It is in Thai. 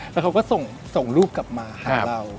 แล้วเขาก็ส่งลูกกลับมาหาเรา